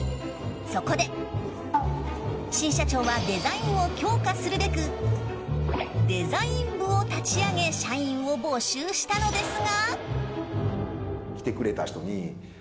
そこで新社長はデザインを強化すべくデザイン部を立ち上げ社員を募集したのですが。